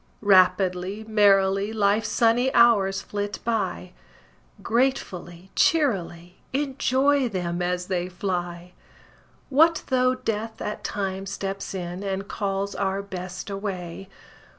Rapidly, merrily, Life's sunny hours flit by, Gratefully, cheerily Enjoy them as they fly! What though Death at times steps in, And calls our Best away?